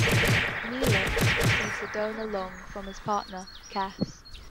Neelix receives a donor lung from his partner, Kes.